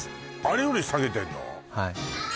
あれより下げてるの？